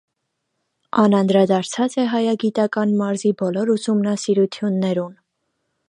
Ան անդրադարձած է հայագիտական մարզի բոլոր ուսումնասիրութիւններուն։